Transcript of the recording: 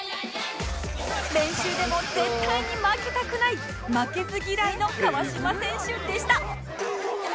練習でも絶対に負けたくない負けず嫌いの川島選手でした